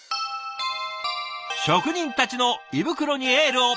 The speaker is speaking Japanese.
職人たちの胃袋にエールを。